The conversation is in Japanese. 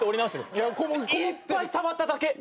いっぱい触っただけ。